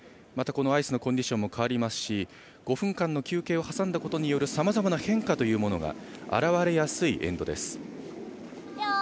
また、アイスのコンディションも変わりますし５分間の休憩を挟んだことによるさまざまな変化が表れやすいエンドです。